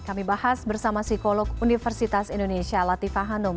kami bahas bersama psikolog universitas indonesia latifah hanum